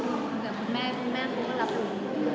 แต่คุณแม่เขาก็รับรู้